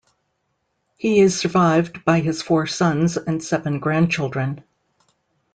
He is survived by his four sons and seven grandchildren.